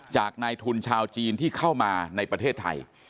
นายทุนชาวจีนที่เข้ามาในประเทศไทย